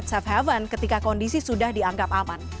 tapi aset safe haven ketika kondisi sudah dianggap aman